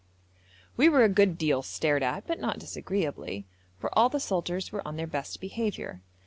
We were a good deal stared at, but not disagreeably, for all the soldiers were on their best behaviour.